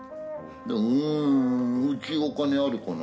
でもうちお金あるかな？